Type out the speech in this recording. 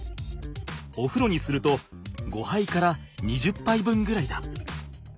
おふろにすると５はいから２０ぱい分ぐらいだ！